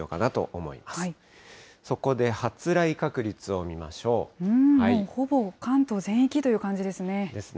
もうほぼ関東全域という感じですね。